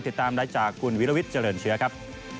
ติดตามได้จากคุณวิรวิทย์เจริญเชื้อครับ